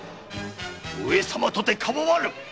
上様とてかまわぬ！